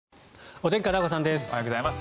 おはようございます。